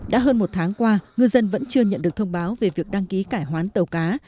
đã hơn một tháng qua ngư dân vẫn chưa nhận được thông báo về việc đăng ký cải hoán tàu cá